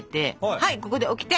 はいここでオキテ！